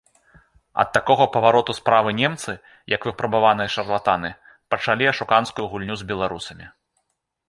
Ад такога павароту справы немцы, як выпрабаваныя шарлатаны, пачалі ашуканскую гульню з беларусамі.